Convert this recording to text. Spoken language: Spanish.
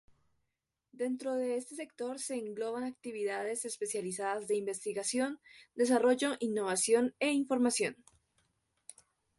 Dentro de este sector se engloban actividades especializadas de investigación, desarrollo, innovación e información.